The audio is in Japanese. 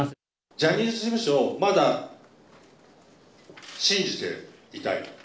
ジャニーズ事務所をまだ信じていたい。